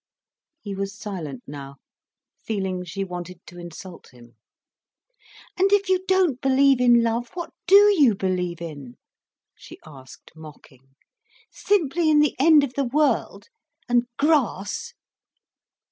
He was silent now, feeling she wanted to insult him. "And if you don't believe in love, what do you believe in?" she asked mocking. "Simply in the end of the world, and grass?"